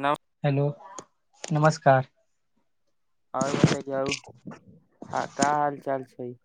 न हेलो नमस्कार आओर बताैयौ हँ का हाल चाल छै छै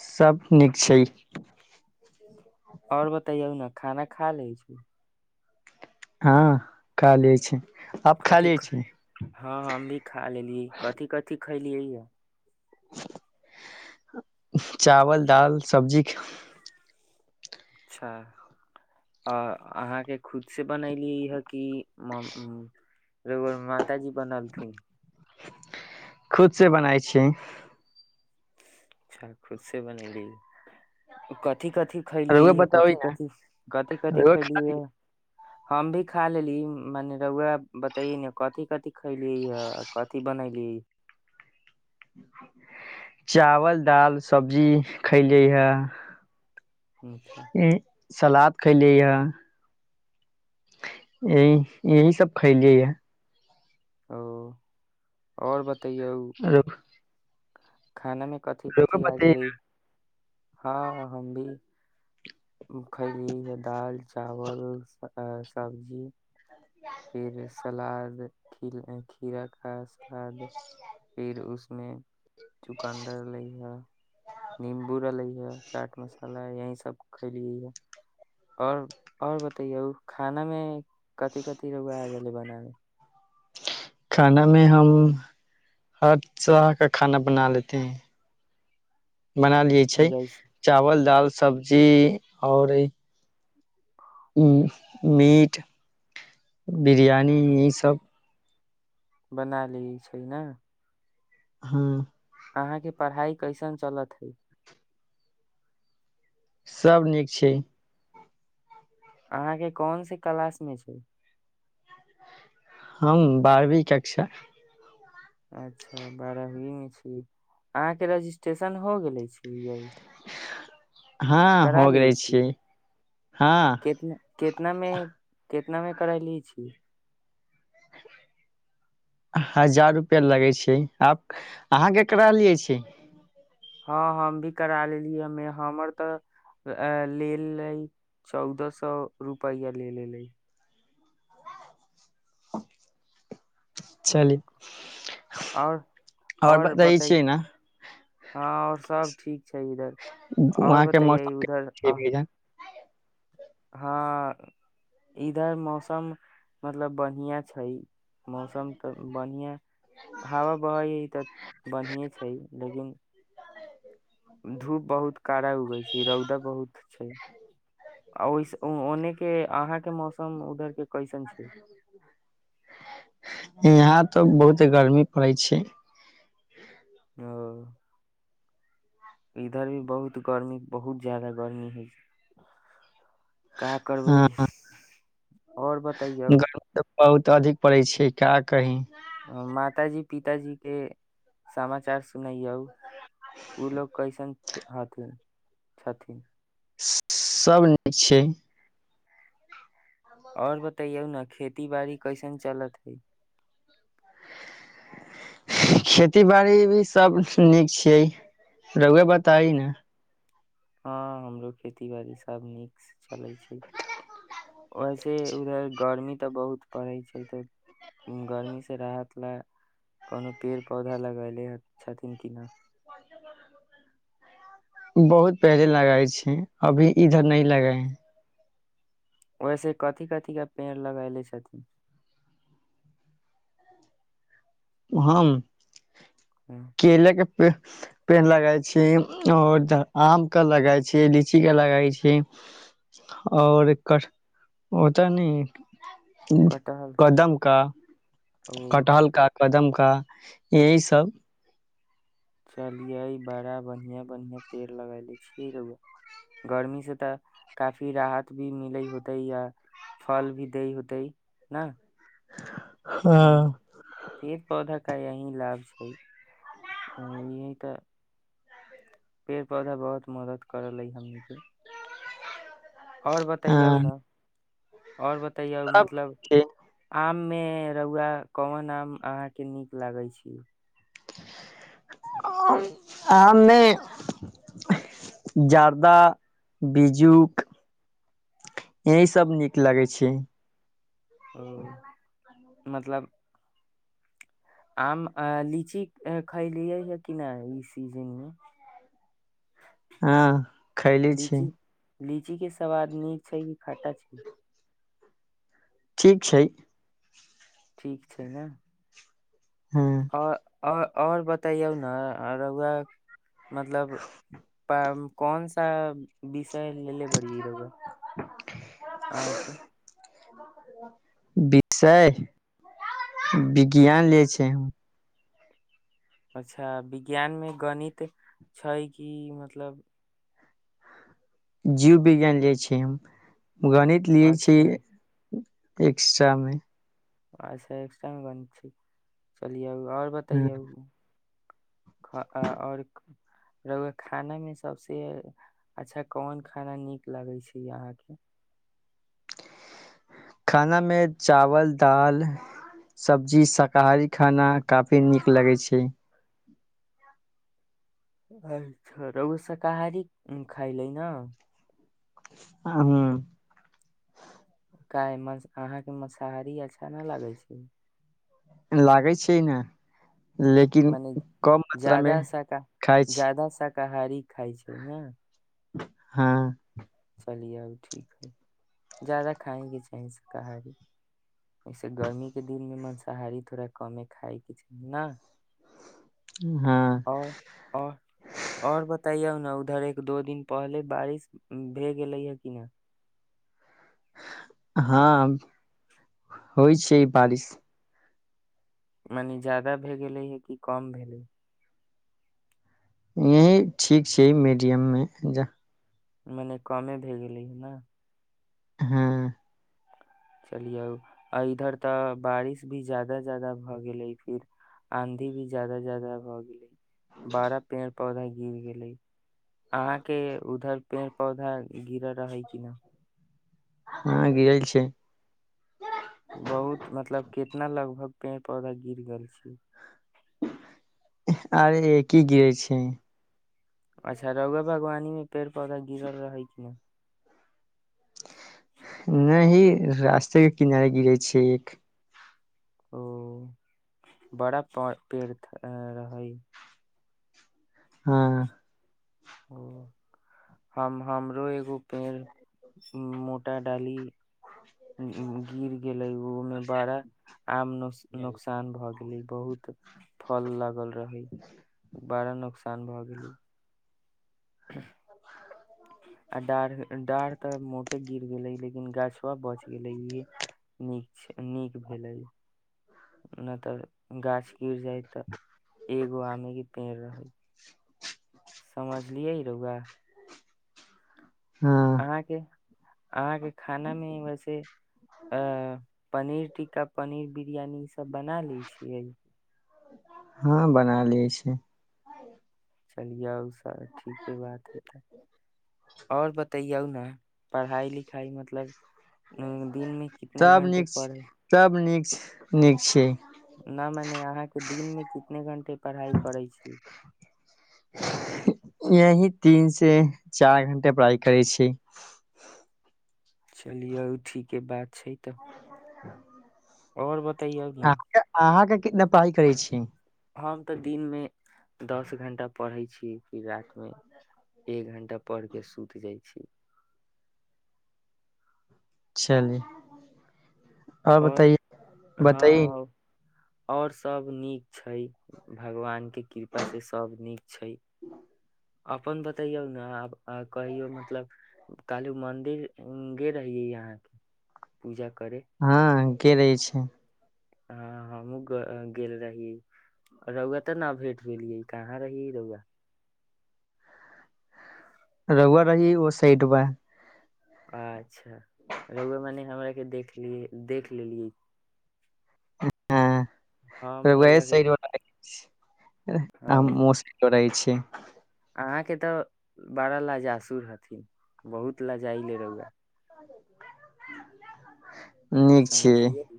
सभ नीक छै आओर बताैयौ न खाना खा लै छी हँ खा लै छी कथी हँ हम भी खा लेली कथी कथी खैलियै यऽ चावल दाल सब्जी अच्छा अहाँके खुद से बनेलिय हे कि रउआ र पिताजी बनलथिन खुद से बनाइ छी अच्छा खुद से बनेली कथि कथि खैलियै रउआ है बताबै कथि ने कथी कथि कथि रउआ खा खैलियै ली है हम भी खा लेली मने रुआ बताइ ने कथि कथि खली या कथि बनली बी [inaudible] चावल दाल सब्जी खलियै हे अच्छा सलाद खैलिय ह यह यही सब खैलियै य ओ आओर बता तैयौ खानामे कथि कथी रउआ आ बताइए गेललै हँ हम भी खयली दालि चावल सबजी फिर सलाद खी खीरा खा सलाद फिर उसमे चुकन्दर रहलै हए निीम्बू रहलै हए चाट मसाला यही सभ खयलियैए आओर आओर बतैयौ खाना मे कथि क तीरो ग आज ल बनामे खानामे हम हर तरह का खाना बना लेते हैं बनालइ छै जैस चावल दाल सब्जी आओर ई उ मीट बिरियानी ई सब बना ली छै ने हुँ अहाँके पढ़ाइ कैसन चलत हइ सभ नीक छै अहाँके कोनस क्लासमे छै हम बारवीं कक्षा अच्छा बारहही मे छी अहाँके रजिस्ट्रेशन हो गेले छी यह हँ हो गेल लेले रहे छिय हँ कितना मे कितना मे करा ली छी हजार रुपआ लगै छै आब अहाँ केकरा लियै छी हँ हम भी करा लेलियै हमे हमर तऽ लेलेै चौदह सए रुपैआ ले लेलै चली आओर आओर बतै ने हँ आओर सभ ठीक छै इधर वहाँ आओर के बतैयै मौसम उधर के आ भैया। हँ इधर मौसम मतलब बढ़आ छै मौसम तऽ बढ़िआँ हवा बह हइ तऽ बढ़िएँ छै लेकिन धूप बहुत कड़ा उगै छै रौदा बहुत छै आ ओहि ओनेके अहाँके मौसम उधर के कैसन छै यहाँ तऽ बहुत गर्मी पड़ै छै ह इधर भी बहुत गर्मी बहुत जाादा गर्मी होइ छै का करबै हँ आओर बताइयौ गर्मी तऽ बहुत अधिक पड़ै छै का कही माताजी पिताजी के समाचार सुनैय ओ लोग कैसन हथिन छथिन सभ नीक छै आओर बतैयौ ने खेती बाड़ी कैसन चलत हइ खेती बाड़ी भी सब नीक छियै रुआ बताई ने हँ हमरो खेती बाड़ी सभ नीकसँ चलैत छै वैसे उधर गर्मी तऽ बहुत पड़ैत छै तऽ गर्मीसँ राहत लए कोनो पेड़ पौधा लगले छथिन कि नहि बहुत पहिले लगाए छै अभी इधर न लगाए है ओहिसे कथि कथी के पेड़ लगैले छथिन हँम हम्म, केलेके पेड़ लगाई छी और आम के लगा छी लीची के लगाई छी और ओतऽ न कटहल क- कदम का ओ कटहल का कदम का यही सब चलियै बड़ा बढ़िआं बढ़िआं पेड़ लगा ले छियै र गर्मी से तऽ काफी राहत भी मिलै होते आ फल भी दै होते ने अ हँ पेड़ पौधा यही लाभ छै यही तऽ पेड़ पौधा बहुत मदद करल अइ हमने आओर बतैयउ हँ ने आओर बतैया सब मतलब के आम मे रौआ कोवन आम अहाँके नीक लागे छी आमे ने जार्दा बीजुक यही सब नीक लगै छै नहि ओ जा मतलब आम लीची खैलियै ह कि नहि ई सीजन मे हँ खैली छी लीची लीची के सवाद नीक छै कि खाटा छै ठीक छै ठीक छै ने हँ आ आओर बताइयौ न र‌उआ मतलब प कौन सा बिषय लेले बढ़ी र‌उआ विषय विज्ञान ले छै अच्छा विज्ञानमे गणित छै कि मतलब जीव विज्ञान लै छिय हम गणित लियै छी अच्छा एक्स्ट्रामे अच्छा एक्सटरा मे ले छी त आओर ह बताइयौ ख आ आओर र‌उआ खानामे सभसँ अच्छा कोन खाना नीक लगै छै अहाँके खाना मे चावल दाल सब्जी शाकाहारी खाना काफी नीक लगै छै अच्छा र ओ शाकाहारी खाइ लै न आ हँ क अहाँके मसांहारी अच्छा नहि लागै छै लागै छै ने लेकिन मने कम मात्रामे खाइ छी कहारी खाइ छै ने हँ चलि ओ ठीक हइ जाददा खायके चाही शाकाहारी ओैसे गर्मीके दिनमे मांसाहारी थोड़ा कमे खायके चाही ने हँ आओर आओर बताइयौ न उधर एक दो दिन पहले बारिश भए गेलैए कि नहि हँ होय छै बारिश मने ज्यादा भए गेलै हे कि कम भेलै यही ठीक छै मीडियममे जा मने कमे भए गेलै हे ने हँ चलियौ इधर तऽ बारिश भी जादा जादा भऽ गेलै फिर आंधी भी ज्यादा जादा भऽ गेलै बारह पेड़ पौधा गिर गेलै अहाँके उधर पेड़ पौधा गिर रहै कि नहि हँ गिरल छै बहुत मतलब कितना लगभग पेड़ पौधा गिर गेल छै आरे की गिरे छै अच्छा रौगा बागवानी मे पेड़ पौधा गिरल रहै कि नहि नहि ह रास्ते के किनारे गिरे छै एक ओ बड़ा पेड़ रहै हँ ओ हम हमरो एगो पेड़ मोटा डाली गिर गेलै ओमे बड़ा आम न नुकसान भऽ गेल बहुत फल लागल रहै बड़ा नुकसान भए गेले आड डार्क तऽ मोटे गिर गेलै लेकिन गाछवा बच गेलै इहे नीक नीक भेलै न तऽ गाछ गिर जाय तऽ एगो आमे के पेड़ रहै समझलिये ही रौआ हँ अहाँके आहाँके खानामे वैसे पनीर टिक्का पनीर बिरियानी ईसभ बना लै छियै हँ बना लिय छी चलिआ उस तऽ ठीके बात हइ तऽ आओर बतैयौ ने पढ़ाइ लिखाइ मतलब उम्म, दिन में कितने सब घंटे नीक पढ़ सब नीक छै नीक छिय न मने अहाँके दिनमे कितने घण्टे पढ़ाइ करै छी यही तीन से चार घंटा पढ़ाय करै छी चलियौ ठीके बात छै तऽ [unintelligible] आओर बत अहाँके अहाँके कितना पढ़ाय करै छी हम तऽ दिन मे दस घंटा पढ़ै छी फिर रातिमे एक घण्टा पढ़िक सुति जाइ छी चलि आ और बताइ बताइ हँ और सभ नीक छै भगवान के कृपा से सभ नीक छै अपन बतैयौ ने आ कहियौ मतलब काली मन्दिर ग रहियै यहाँके पूजा करे हँ के रहै छै हँ हमूँ गेल रहियै रौआ तऽ न भेंट भेलियै कहाँ रहिय रौआ रौआ रही एगो ओ साइड बा आ रौआ बानी हमरा एक के देखलिये देखलेलियै वहि सड मोस करैय छी [unintelligible] अहाँके तऽ बड़ा लजासुर हथिन बहुत लाजाइले रौआ [unintelligible] छी समझलियै नु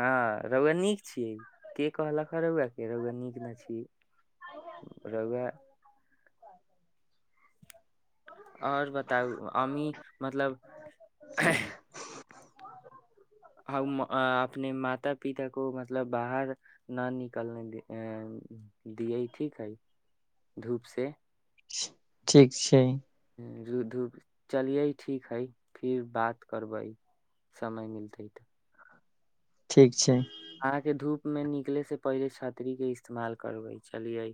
हँ रौआ नीक छियै के कहलक हे रौआ के रौआ नीक न छियै [unintelligible] आओर बताउ अम्मी मतलब आ अपने माता पिता को मतलब बाहर न निकलने ऐ दियै ठीक हइ धूप से ठीक छै रूधू चलियै ठीक हइ फिर बात करबै समय मिलतै तऽ ठीक छै अहाँके धूपमे निकलेसँ पहिले छतरीके इस्तेमाल करबै चलियै